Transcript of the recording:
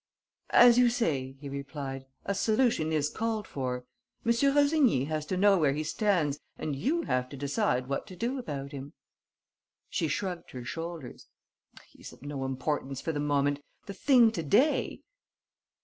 "As you say," he replied, "a solution is called for. M. Rossigny has to know where he stands and you have to decide what to do about him." She shrugged her shoulders: "He's of no importance for the moment. The thing to day...."